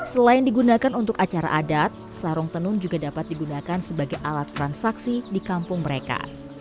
selain digunakan untuk acara adat sarung tenun juga dapat digunakan sebagai alat transaksi di kampung mereka